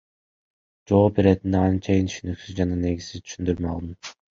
Жооп иретинде анчейин түшүнүксүз жана негизсиз түшүндүрмө алдым.